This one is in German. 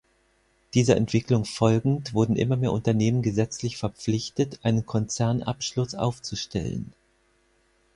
Dieser Entwicklung folgend wurden immer mehr Unternehmen gesetzlich verpflichtet einen Konzernabschluss aufzustellen.